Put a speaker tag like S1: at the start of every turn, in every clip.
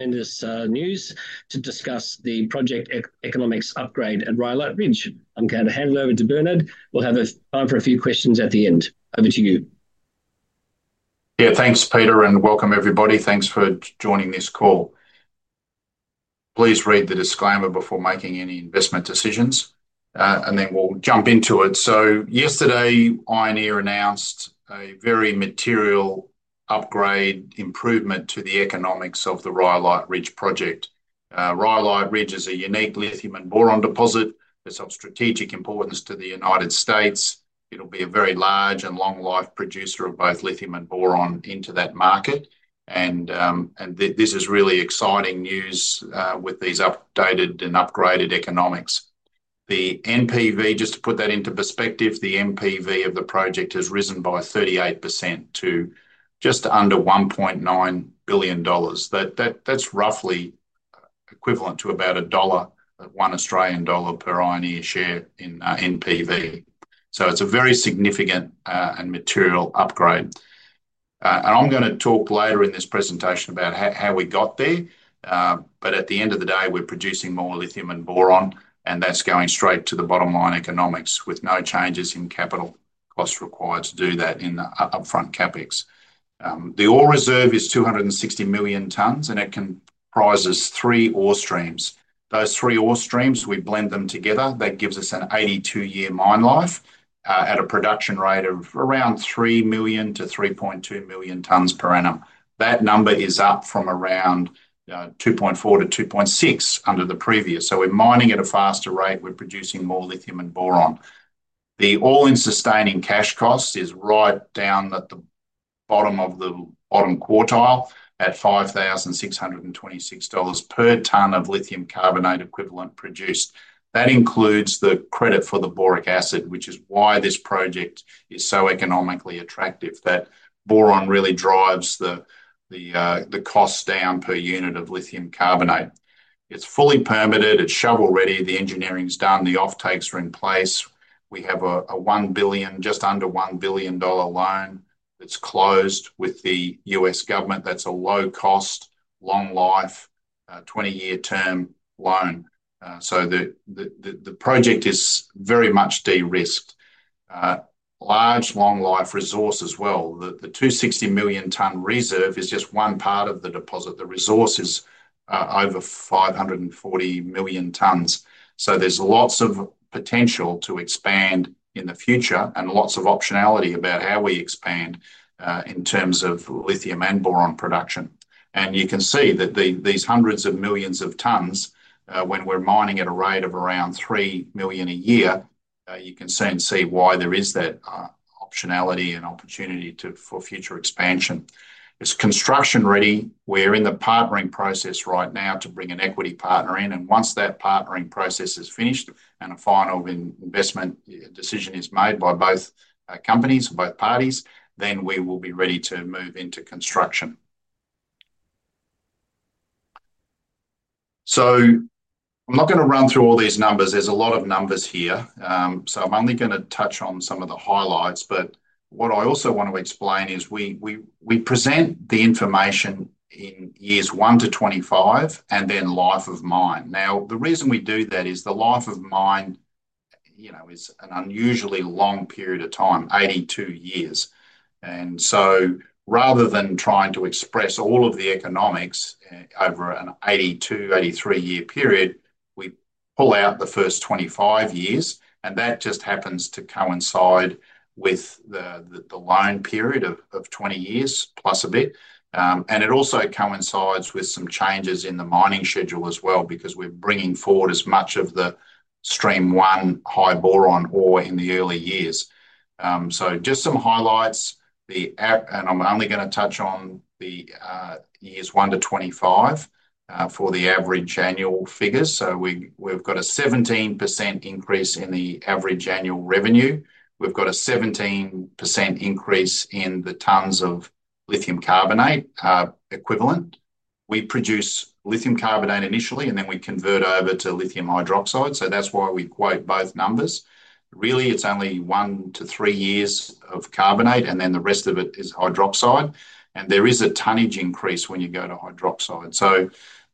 S1: tremendous news to discuss the project economics upgrade at Rhyolite Ridge. I'm going to hand it over to Bernard. We'll have time for a few questions at the end. Over to you.
S2: Yeah, thanks, Peter, and welcome, everybody. Thanks for joining this call. Please read the disclaimer before making any investment decisions, and then we'll jump into it. So yesterday, Ioneer announced a very material upgrade, improvement to the economics of the Rhyolite Ridge Project. Rhyolite Ridge is a unique lithium and boron deposit. It's of strategic importance to the United States. It'll be a very large and long-life producer of both lithium and boron into that market. And this is really exciting news with these updated and upgraded economics. The NPV, just to put that into perspective, the NPV of the project has risen by 38% to just under $1.9 billion. That's roughly equivalent to about 1 Australian dollar per Ioneer share in NPV. So it's a very significant and material upgrade. And I'm going to talk later in this presentation about how we got there. But at the end of the day, we're producing more lithium and boron, and that's going straight to the bottom line economics with no changes in capital costs required to do that in the upfront CapEx. The ore reserve is 260 million tonnes, and it comprises three ore streams. Those three ore streams, we blend them together. That gives us an 82-year mine life at a production rate of around 3 million to 3.2 million tonnes per annum. That number is up from around 2.4 million to 2.6 million under the previous. So we're mining at a faster rate. We're producing more lithium and boron. The all-in sustaining cash cost is right down at the bottom of the bottom quartile at $5,626 per tonnes of lithium carbonate equivalent produced. That includes the credit for the boric acid, which is why this project is so economically attractive. That boron really drives the cost down per unit of lithium carbonate. It's fully permitted. It's shovel ready. The engineering's done. The offtakes are in place. We have a $1 billion, just under $1 billion loan that's closed with the U.S. government. That's a low cost, long life, 20-year term loan. So the project is very much de-risked large, long life resource as well. The 260 million tonne reserve is just one part of the deposit. The resource is over 540 million tonnes. So there's lots of potential to expand in the future and lots of optionality about how we expand in terms of lithium and boron production. And you can see that these hundreds of millions of tonnes, when we're mining at a rate of around 3 million a year, you can soon see why there is that optionality and opportunity for future expansion. It's construction ready. We're in the partnering process right now to bring an equity partner in. And once that partnering process is finished and a final investment decision is made by both companies, both parties, then we will be ready to move into construction. So I'm not going to run through all these numbers. There's a lot of numbers here. So I'm only going to touch on some of the highlights. But what I also want to explain is we present the information in years 1-25 and then life of mine. Now, the reason we do that is the life of mine is an unusually long period of time, 82 years. And so rather than trying to express all of the economics over an 82, 83 year period, we pull out the first 25 years. And that just happens to coincide with the loan period of 20 years, plus a bit. It also coincides with some changes in the mining schedule as well because we're bringing forward as much of the Stream 1 high boron ore in the early years. Just some highlights. I'm only going to touch on the years one to 25 for the average annual figures. We've got a 17% increase in the average annual revenue. We've got a 17% increase in the tonnes of lithium carbonate equivalent. We produce lithium carbonate initially, and then we convert over to lithium hydroxide. That's why we quote both numbers. Really, it's only one to three years of carbonate, and then the rest of it is hydroxide. There is a tonnage increase when you go to hydroxide.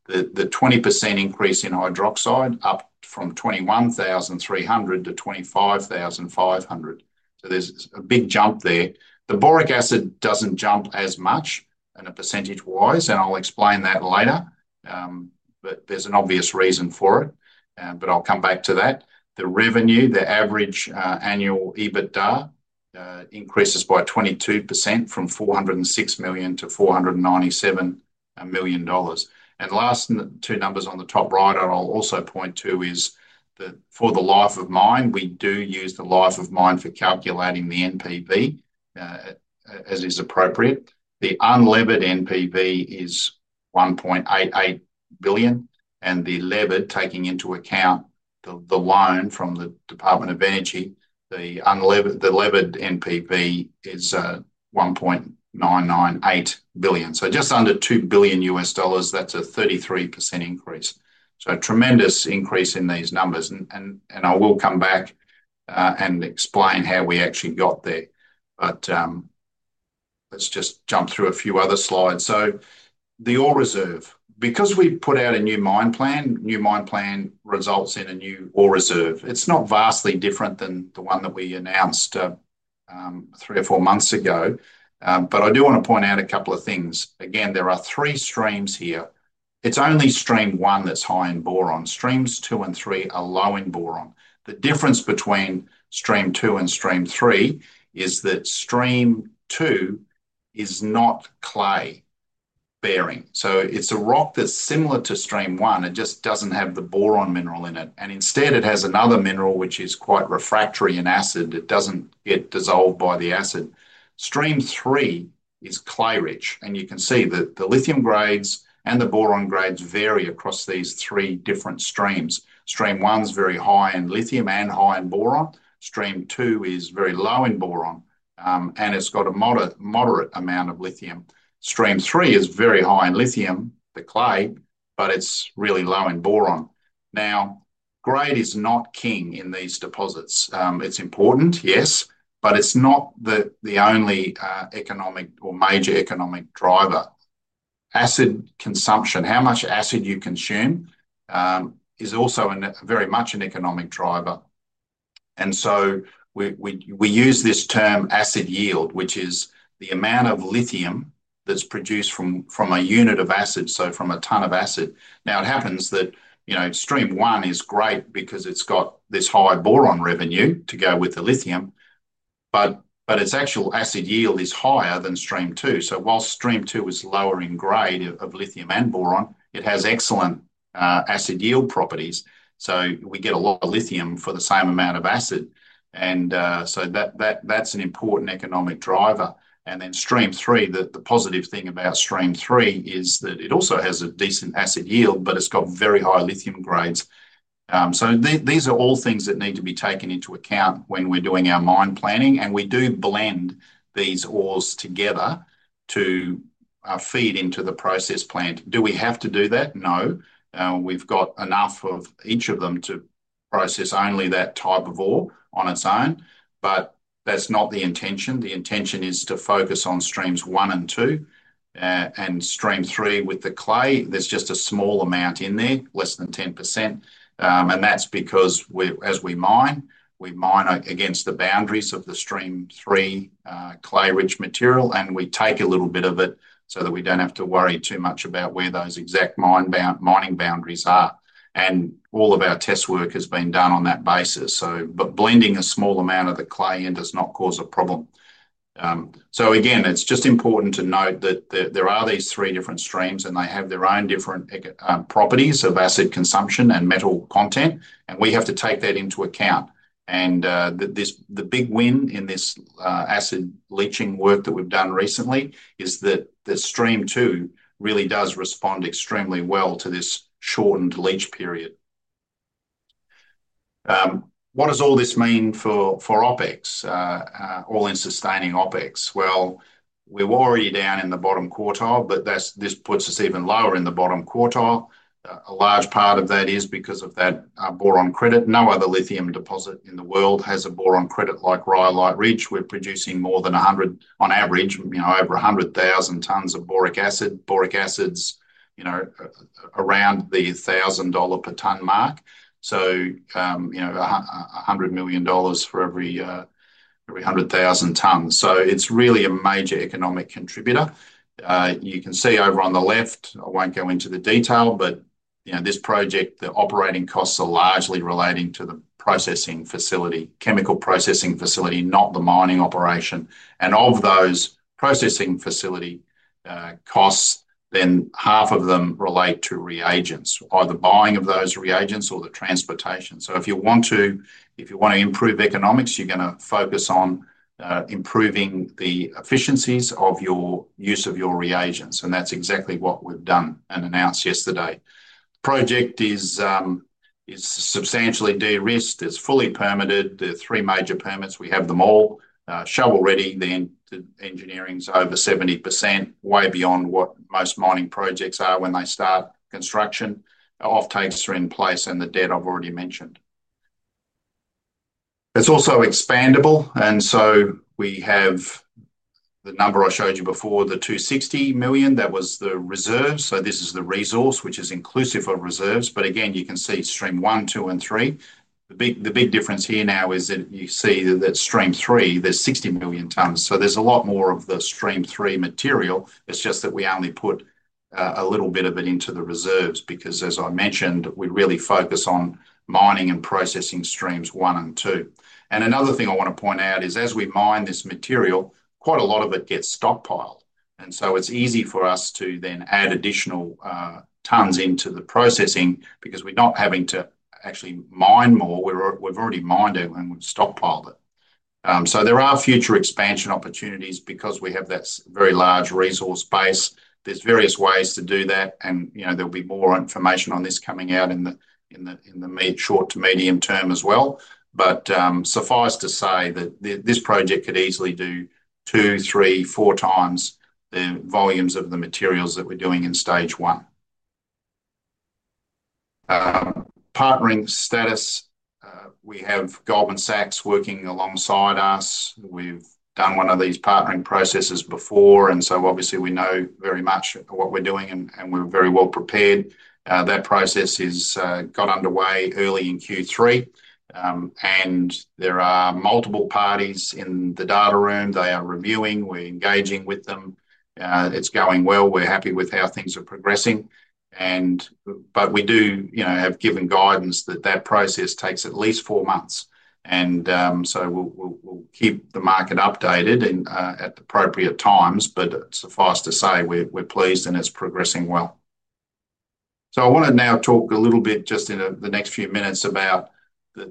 S2: The 20% increase in hydroxide is up from 21,300 tonnes to 25,500 tonnes. There's a big jump there. The boric acid doesn't jump as much percentage-wise, and I'll explain that later. But there's an obvious reason for it. But I'll come back to that. The revenue, the average annual EBITDA increases by 22% from $406 million to $497 million. And the last two numbers on the top right I'll also point to is that for the life of mine, we do use the life of mine for calculating the NPV as is appropriate. The unlevered NPV is $1.88 billion. And the levered, taking into account the loan from the Department of Energy, the unlevered NPV is $1.998 billion. So just under $2 billion, that's a 33% increase. So a tremendous increase in these numbers. And I will come back and explain how we actually got there. But let's just jump through a few other slides. The ore reserve, because we put out a new mine plan, new mine plan results in a new ore reserve. It's not vastly different than the one that we announced three or four months ago. But I do want to point out a couple of things. Again, there are three streams here. It's only Stream 1 that's high in boron. Streams 2 and 3 are low in boron. The difference between Stream 2 and Stream 3 is that Stream 2 is not clay bearing. So it's a rock that's similar to Stream 1. It just doesn't have the boron mineral in it. And instead, it has another mineral, which is quite refractory in acid. It doesn't get dissolved by the acid. Stream 3 is clay rich. And you can see that the lithium grades and the boron grades vary across these three different streams. Stream 1 is very high in lithium and high in boron. Stream 2 is very low in boron and it's got a moderate amount of lithium. Stream 3 is very high in lithium, the clay, but it's really low in boron. Now, grade is not king in these deposits. It's important, yes, but it's not the only economic or major economic driver. Acid consumption, how much acid you consume, is also very much an economic driver and so we use this term acid yield, which is the amount of lithium that's produced from a unit of acid, so from a tonne of acid. Now, it happens that Stream 1 is great because it's got this high boron revenue to go with the lithium but its actual acid yield is higher than Stream 2, so while Stream 2 is lower in grade of lithium and boron, it has excellent acid yield properties. So we get a lot of lithium for the same amount of acid. And so that's an important economic driver. And then Stream 3, the positive thing about Stream 3 is that it also has a decent acid yield, but it's got very high lithium grades. So these are all things that need to be taken into account when we're doing our mine planning. And we do blend these ores together to feed into the process plant. Do we have to do that? No. We've got enough of each of them to process only that type of ore on its own. But that's not the intention. The intention is to focus on Streams 1 and 2. And Stream 3 with the clay, there's just a small amount in there, less than 10%. And that's because as we mine, we mine against the boundaries of the Stream 3 clay rich material. And we take a little bit of it so that we don't have to worry too much about where those exact mining boundaries are. And all of our test work has been done on that basis. But blending a small amount of the clay in does not cause a problem. So again, it's just important to note that there are these three different streams, and they have their own different properties of acid consumption and metal content. And we have to take that into account. And the big win in this acid leaching work that we've done recently is that the Stream 2 really does respond extremely well to this shortened leach period. What does all this mean for OpEx, all-in sustaining OpEx? Well, we're already down in the bottom quartile, but this puts us even lower in the bottom quartile. A large part of that is because of that boron credit. No other lithium deposit in the world has a boron credit like Rhyolite Ridge. We're producing more than 100, on average, over 100,000 tonnes of boric acid, boric acid's around the $1,000 per tonne mark, so $100 million for every 100,000 tonnes, so it's really a major economic contributor. You can see over on the left, I won't go into the detail, but this project, the operating costs are largely relating to the processing facility, chemical processing facility, not the mining operation, and of those processing facility costs, then half of them relate to reagents, either buying of those reagents or the transportation, so if you want to, if you want to improve economics, you're going to focus on improving the efficiencies of your use of your reagents, and that's exactly what we've done and announced yesterday. The project is substantially de-risked. It's fully permitted. There are three major permits. We have them all. Shovel ready, the engineering's over 70%, way beyond what most mining projects are when they start construction. Offtakes are in place and the debt I've already mentioned. It's also expandable. And so we have the number I showed you before, the 260 million. That was the reserve. So this is the resource, which is inclusive of reserves. But again, you can see Stream 1, 2, and 3. The big difference here now is that you see that Stream 3, there's 60 million tonnes. So there's a lot more of the Stream 3 material. It's just that we only put a little bit of it into the reserves because, as I mentioned, we really focus on mining and processing Streams 1 and 2. And another thing I want to point out is as we mine this material, quite a lot of it gets stockpiled. And so it's easy for us to then add additional tonnes into the processing because we're not having to actually mine more. We've already mined it and we've stockpiled it. So there are future expansion opportunities because we have that very large resource base. There's various ways to do that. And there'll be more information on this coming out in the short to medium term as well. But suffice to say that this project could easily do 2x, 3x, 4x the volumes of the materials that we're doing in stage one. Partnering status. We have Goldman Sachs working alongside us. We've done one of these partnering processes before. And so obviously, we know very much what we're doing and we're very well prepared. That process has got underway early in Q3, and there are multiple parties in the data room. They are reviewing. We're engaging with them. It's going well. We're happy with how things are progressing, but we do have given guidance that that process takes at least four months, and so we'll keep the market updated at appropriate times. But suffice to say, we're pleased and it's progressing well, so I want to now talk a little bit just in the next few minutes about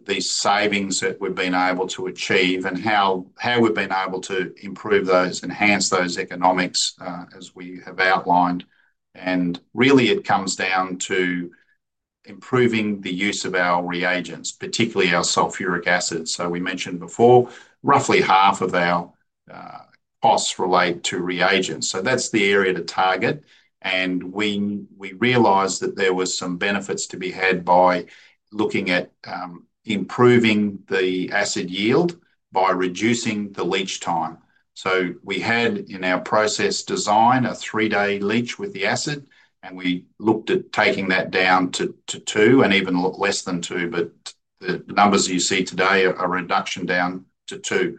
S2: these savings that we've been able to achieve and how we've been able to improve those, enhance those economics as we have outlined, and really, it comes down to improving the use of our reagents, particularly our sulfuric acid, so we mentioned before, roughly half of our costs relate to reagents, so that's the area to target. And we realized that there were some benefits to be had by looking at improving the acid yield by reducing the leach time. So we had in our process design a three-day leach with the acid. And we looked at taking that down to two and even less than two. But the numbers you see today are a reduction down to two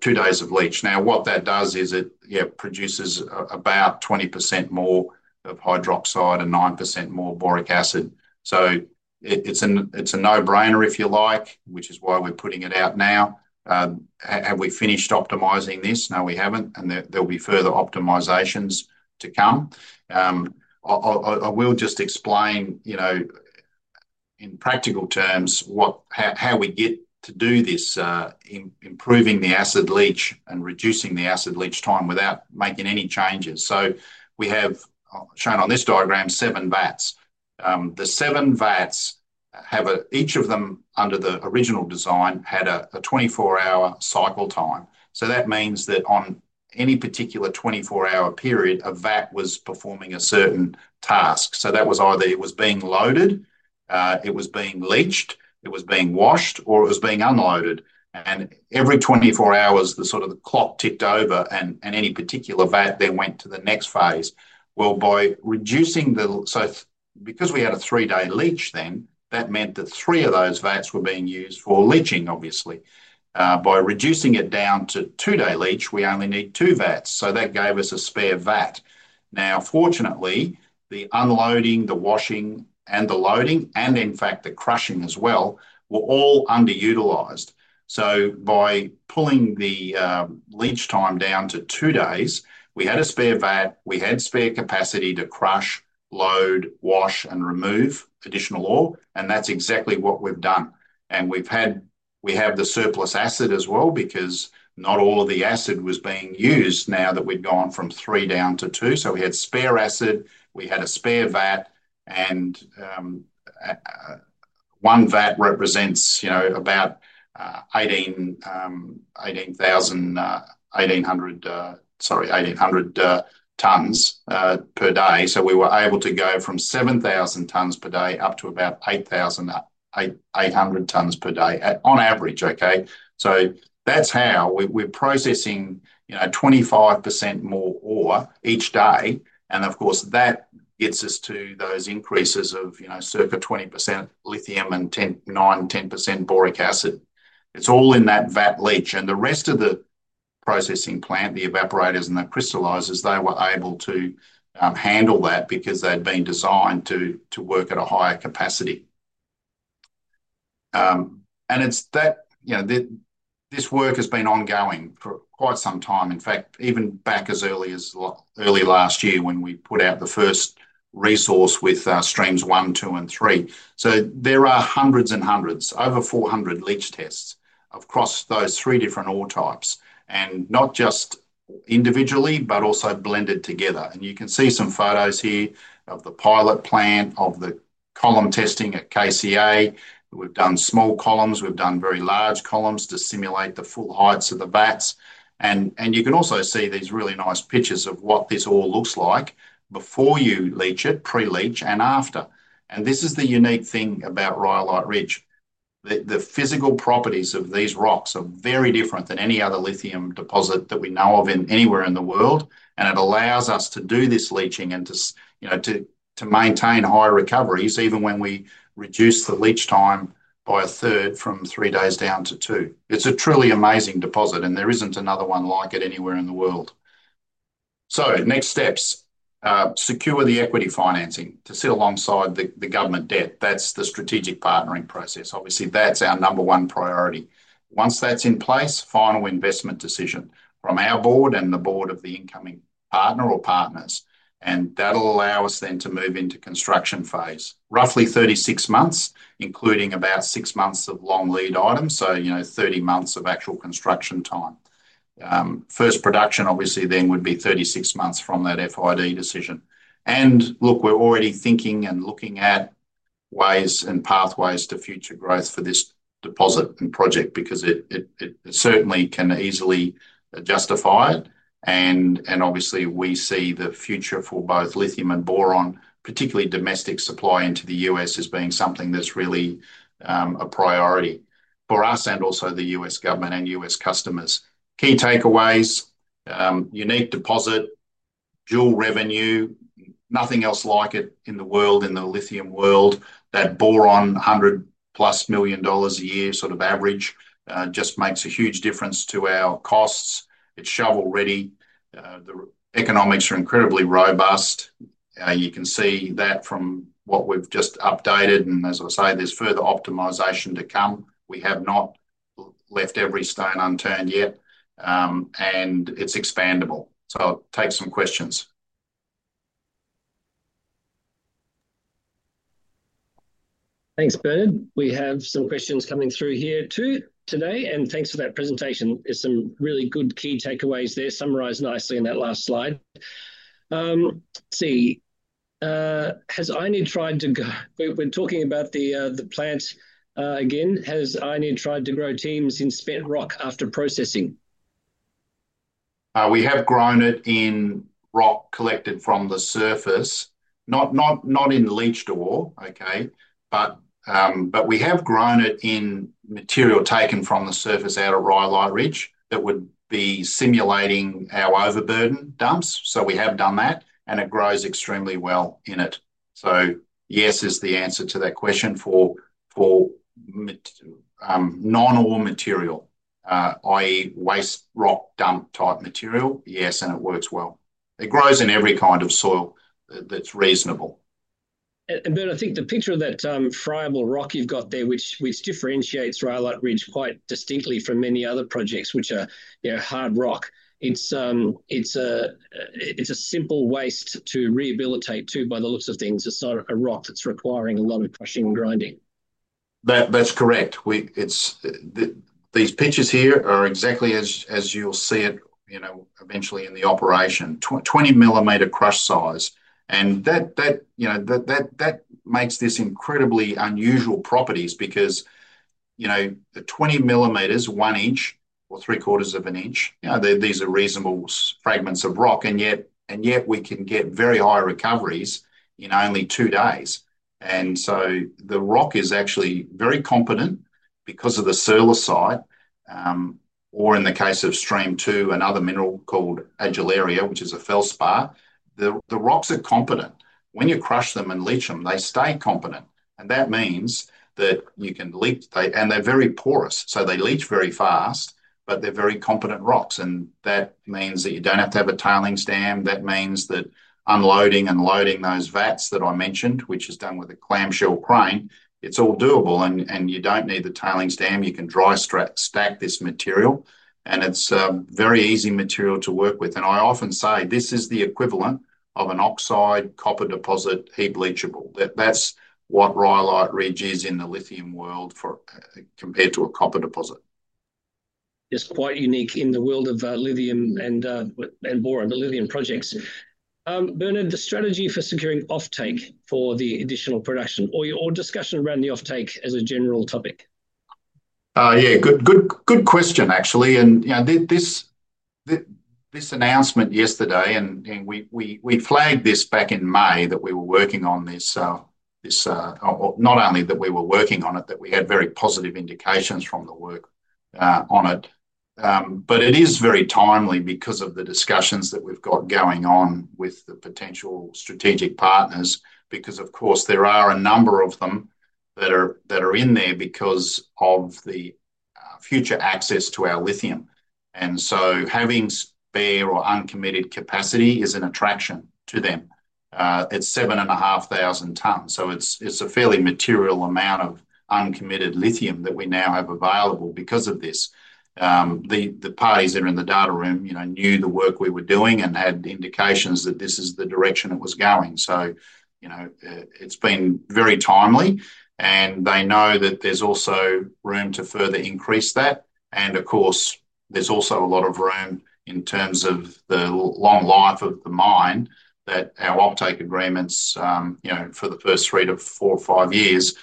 S2: days of leach. Now, what that does is it produces about 20% more of hydroxide and 9% more boric acid. So it's a no-brainer if you like, which is why we're putting it out now. Have we finished optimizing this? No, we haven't. And there'll be further optimizations to come. I will just explain in practical terms how we get to do this, improving the acid leach and reducing the acid leach time without making any changes. So we have shown on this diagram seven vats. The seven vats have each of them under the original design had a 24-hour cycle time, so that means that on any particular 24-hour period, a vat was performing a certain task, so that was either it was being loaded, it was being leached, it was being washed, or it was being unloaded, and every 24 hours, the sort of clock ticked over and any particular vat then went to the next phase, well, by reducing the so because we had a three-day leach then, that meant that three of those vats were being used for leaching, obviously. By reducing it down to two-day leach, we only need two vats, so that gave us a spare vat. Now, fortunately, the unloading, the washing, and the loading, and in fact, the crushing as well were all underutilized. So by pulling the leach time down to two days, we had a spare vat. We had spare capacity to crush, load, wash, and remove additional ore. And that's exactly what we've done. And we have the surplus acid as well because not all of the acid was being used now that we'd gone from three down to two. So we had spare acid. We had a spare vat. And one vat represents about 18,000, sorry, 1,800 tonnes per day. So we were able to go from 7,000 tonnes per day up to about 8,800 tonnes per day on average, okay? So that's how we're processing 25% more ore each day. And of course, that gets us to those increases of circa 20% lithium and 9%-10% boric acid. It's all in that vat leach. The rest of the processing plant, the evaporators and the crystallizers, they were able to handle that because they'd been designed to work at a higher capacity. This work has been ongoing for quite some time. In fact, even back as early as early last year when we put out the first resource with Streams 1, 2, and 3. There are hundreds and hundreds, over 400 leach tests across those three different ore types. Not just individually, but also blended together. You can see some photos here of the pilot plant, of the column testing at KCA. We've done small columns. We've done very large columns to simulate the full heights of the vats. You can also see these really nice pictures of what this all looks like before you leach it, pre-leach, and after. This is the unique thing about Rhyolite Ridge. The physical properties of these rocks are very different than any other lithium deposit that we know of anywhere in the world, and it allows us to do this leaching and to maintain high recoveries even when we reduce the leach time by 1/3 from three days down to two. It's a truly amazing deposit, and there isn't another one like it anywhere in the world. Next steps: secure the equity financing to sit alongside the government debt. That's the strategic partnering process. Obviously, that's our number one priority. Once that's in place, final investment decision from our Board and the Board of the incoming partner or partners, and that'll allow us then to move into construction phase. Roughly 36 months, including about six months of long lead items, so 30 months of actual construction time. First production, obviously, then would be 36 months from that FID decision. And look, we're already thinking and looking at ways and pathways to future growth for this deposit and project because it certainly can easily justify it. And obviously, we see the future for both lithium and boron, particularly domestic supply into the U.S., as being something that's really a priority for us and also the U.S. government and U.S. customers. Key takeaways, unique deposit, dual revenue, nothing else like it in the world, in the lithium world. That boron, $100+ million a year sort of average just makes a huge difference to our costs. It's shovel ready. The economics are incredibly robust. You can see that from what we've just updated. And as I say, there's further optimization to come. We have not left every stone unturned yet. And it's expandable. So take some questions.
S1: Thanks, Bern. We have some questions coming through here too today. Thanks for that presentation. There's some really good key takeaways there summarized nicely in that last slide. Let's see. Has Ioneer tried to grow them in spent rock after processing?
S2: We have grown it in rock collected from the surface, not in leached ore, okay? But we have grown it in material taken from the surface out of Rhyolite Ridge that would be simulating our overburden dumps. So we have done that. It grows extremely well in it. So yes is the answer to that question for non-ore material, i.e., waste rock dump type material. Yes, and it works well. It grows in every kind of soil that's reasonable.
S1: And Bern, I think the picture of that friable rock you've got there, which differentiates Rhyolite Ridge quite distinctly from many other projects, which are hard rock. It's a simple waste to rehabilitate too, by the looks of things. It's not a rock that's requiring a lot of crushing and grinding.
S2: That's correct. These pictures here are exactly as you'll see it eventually in the operation, 20-mm crush size. And that makes these incredibly unusual properties because 20 mm, 1 in or 3/4 of an inch, these are reasonable fragments of rock. And yet we can get very high recoveries in only two days. And so the rock is actually very competent because of the searlesite, or in the case of Stream 2, another mineral called adularia, which is a feldspar. The rocks are competent. When you crush them and leach them, they stay competent. And that means that you can leach, and they're very porous. So they leach very fast, but they're very competent rocks. And that means that you don't have to have a tailings dam. That means that unloading and loading those vats that I mentioned, which is done with a clamshell crane, it's all doable. And you don't need the tailings dam. You can dry stack this material. And it's a very easy material to work with. And I often say this is the equivalent of an oxide copper deposit heap leachable. That's what Rhyolite Ridge is in the lithium world compared to a copper deposit.
S1: It's quite unique in the world of lithium and boron, the lithium projects. Bern, the strategy for securing offtake for the additional production or discussion around the offtake as a general topic?
S2: Yeah, good question, actually. And this announcement yesterday, and we flagged this back in May that we were working on this, not only that we were working on it, that we had very positive indications from the work on it. But it is very timely because of the discussions that we've got going on with the potential strategic partners because, of course, there are a number of them that are in there because of the future access to our lithium. And so having spare or uncommitted capacity is an attraction to them. It's 7,500 tonnes. So it's a fairly material amount of uncommitted lithium that we now have available because of this. The parties that are in the data room knew the work we were doing and had indications that this is the direction it was going. So it's been very timely. And they know that there's also room to further increase that. Of course, there's also a lot of room in terms of the long life of the mine that our offtake agreements for the first three to four or five years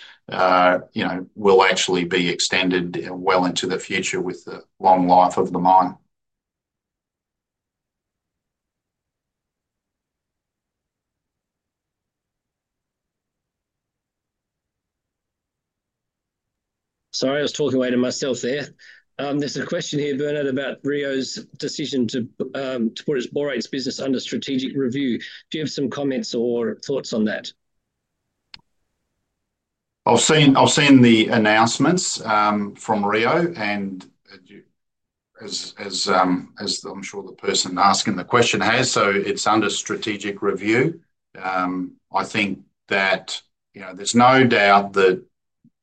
S2: will actually be extended well into the future with the long life of the mine.
S1: Sorry, I was talking away to myself there. There's a question here, Bern, about Rio's decision to put its borate business under strategic review. Do you have some comments or thoughts on that?
S2: I've seen the announcements from Rio and as I'm sure the person asking the question has, so it's under strategic review. I think that there's no doubt that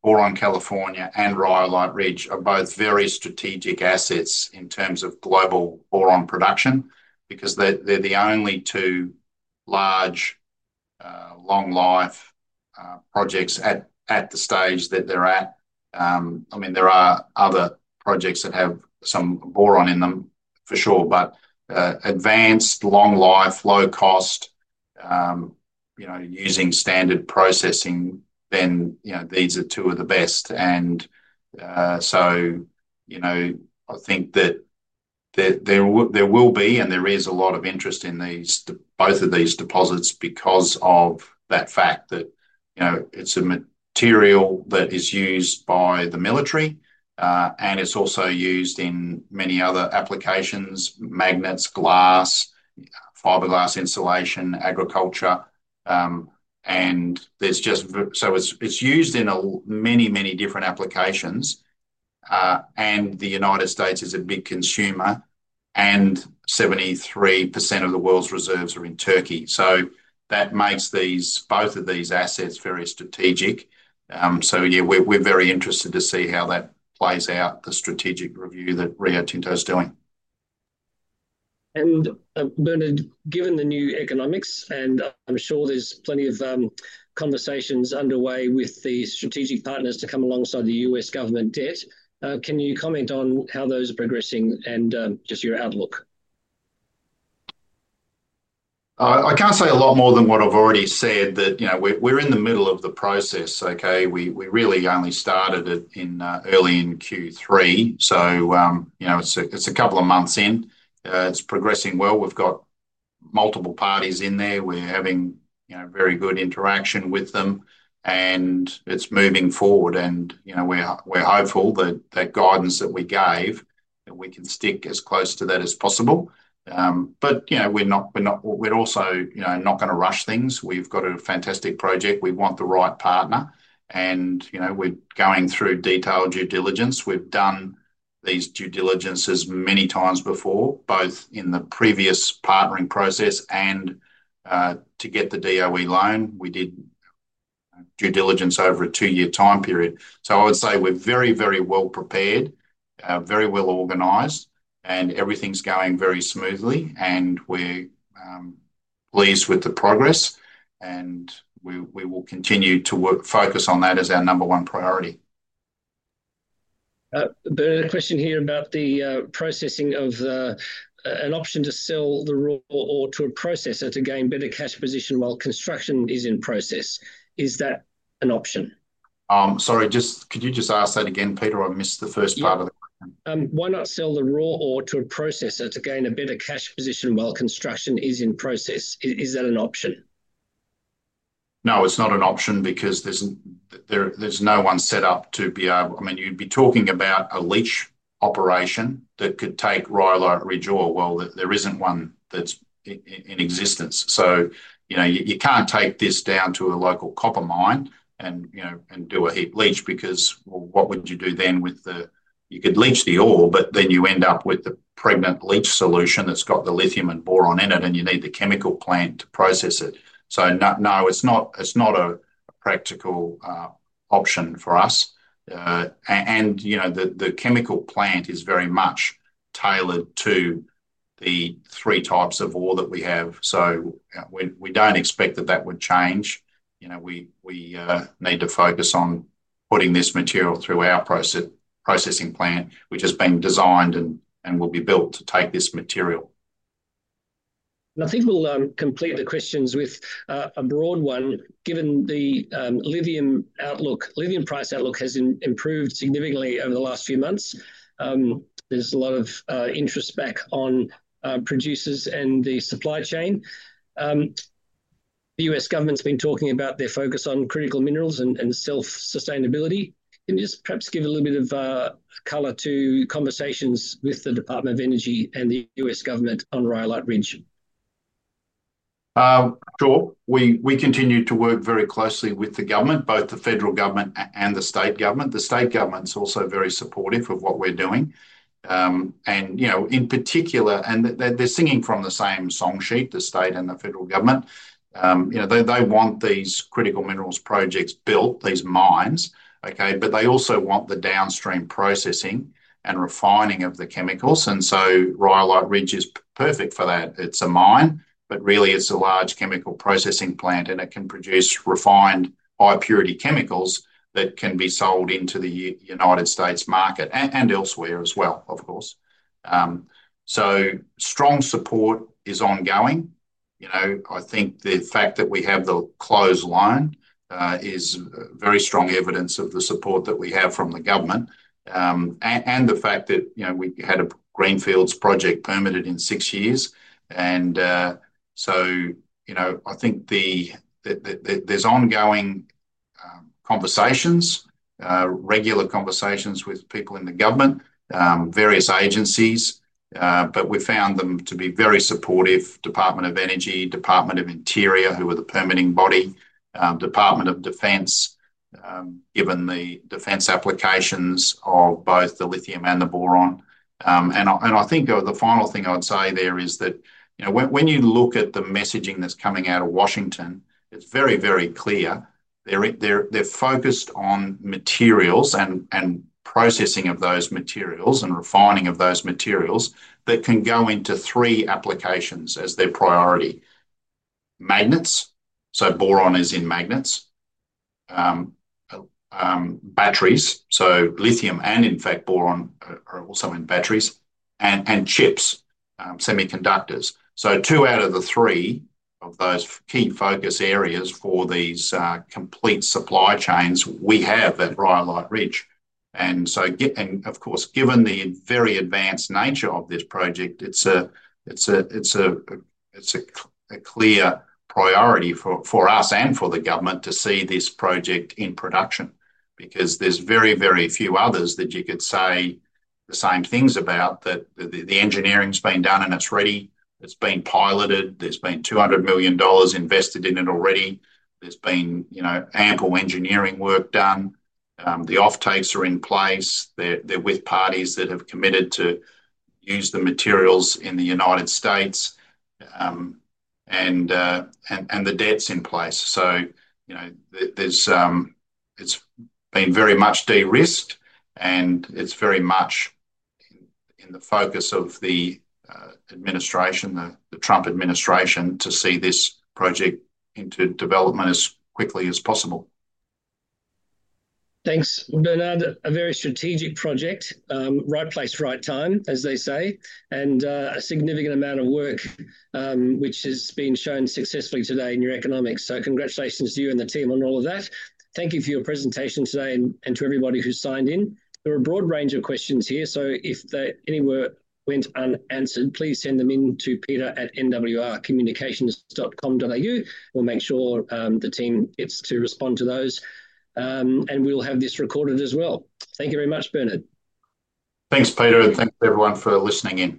S2: boron, California and Rhyolite Ridge are both very strategic assets in terms of global boron production because they're the only two large long-life projects at the stage that they're at. I mean, there are other projects that have some boron in them for sure, but advanced, long-life, low-cost, using standard processing, then these are two of the best, and so I think that there will be and there is a lot of interest in both of these deposits because of the fact that it's a material that is used by the military, and it's also used in many other applications: magnets, glass, fiberglass insulation, agriculture, and so it's used in many, many different applications, and the United States is a big consumer, and 73% of the world's reserves are in Turkey, so that makes both of these assets very strategic, so yeah, we're very interested to see how that plays out, the strategic review that Rio Tinto is doing.
S1: Bern, given the new economics, and I'm sure there's plenty of conversations underway with the strategic partners to come alongside the US government debt, can you comment on how those are progressing and just your outlook?
S2: I can't say a lot more than what I've already said, that we're in the middle of the process, okay? We really only started it early in Q3. So it's a couple of months in. It's progressing well. We've got multiple parties in there. We're having very good interaction with them. And it's moving forward. And we're hopeful that that guidance that we gave, that we can stick as close to that as possible. But we're also not going to rush things. We've got a fantastic project. We want the right partner. And we're going through detailed due diligence. We've done these due diligences many times before, both in the previous partnering process and to get the DOE loan. We did due diligence over a two-year time period. So I would say we're very, very well prepared, very well organized, and everything's going very smoothly. And we're pleased with the progress. And we will continue to focus on that as our number one priority.
S1: The question here about the processing of an option to sell the raw ore to a processor to gain better cash position while construction is in process. Is that an option?
S2: Sorry, could you just ask that again, Peter? I missed the first part of the question.
S1: Why not sell the raw ore to a processor to gain a better cash position while construction is in process? Is that an option?
S2: No, it's not an option because there's no one set up to be able. I mean, you'd be talking about a leach operation that could take Rhyolite Ridge ore. There isn't one that's in existence. So you can't take this down to a local copper mine and do a heap leach because what would you do then with it? You could leach the ore, but then you end up with the pregnant leach solution that's got the lithium and boron in it, and you need the chemical plant to process it. So no, it's not a practical option for us. The chemical plant is very much tailored to the three types of ore that we have. We don't expect that would change. We need to focus on putting this material through our processing plant, which has been designed and will be built to take this material.
S1: And I think we'll complete the questions with a broad one. Given the lithium price outlook has improved significantly over the last few months, there's a lot of interest back on producers and the supply chain. The U.S. government's been talking about their focus on critical minerals and self-sustainability. Can you just perhaps give a little bit of color to conversations with the Department of Energy and the U.S. government on Rhyolite Ridge?
S2: Sure. We continue to work very closely with the government, both the federal government and the state government. The state government's also very supportive of what we're doing. And in particular, they're singing from the same song sheet, the state and the federal government. They want these critical minerals projects built, these mines, okay? But they also want the downstream processing and refining of the chemicals. And so Rhyolite Ridge is perfect for that. It's a mine, but really it's a large chemical processing plant, and it can produce refined high-purity chemicals that can be sold into the United States market and elsewhere as well, of course. So strong support is ongoing. I think the fact that we have the closed loan is very strong evidence of the support that we have from the government. And the fact that we had a greenfield project permitted in six years. And so I think there's ongoing regular conversations with people in the government, various agencies. But we found them to be very supportive: Department of Energy, Department of the Interior, who are the permitting body, Department of Defense, given the defense applications of both the lithium and the boron. And I think the final thing I would say there is that when you look at the messaging that's coming out of Washington, it's very, very clear. They're focused on materials and processing of those materials and refining of those materials that can go into three applications as their priority: magnets, so boron is in magnets; batteries, so lithium and, in fact, boron are also in batteries; and chips, semiconductors. So two out of the three of those key focus areas for these complete supply chains we have at Rhyolite Ridge. And of course, given the very advanced nature of this project, it's a clear priority for us and for the government to see this project in production because there's very, very few others that you could say the same things about that the engineering's been done and it's ready. It's been piloted. There's been $200 million invested in it already. There's been ample engineering work done. The offtakes are in place. They're with parties that have committed to use the materials in the United States. And the debt's in place. So it's been very much de-risked, and it's very much in the focus of the administration, the Trump administration, to see this project into development as quickly as possible.
S1: Thanks. Bern, a very strategic project, right place, right time, as they say, and a significant amount of work, which has been shown successfully today in your economics. So congratulations to you and the team on all of that. Thank you for your presentation today and to everybody who signed in. There are a broad range of questions here. So if any were unanswered, please send them in to peter@nwrcommunications.com.au. We'll make sure the team gets to respond to those. And we'll have this recorded as well. Thank you very much, Bern.
S2: Thanks, Peter. And thanks to everyone for listening in.